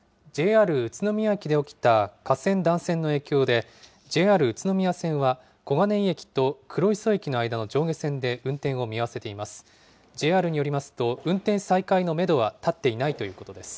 ＪＲ宇都宮駅で起きた架線断線の影響で、ＪＲ宇都宮線は、小金井駅と黒磯駅の間の上下線で運転を見合わせています。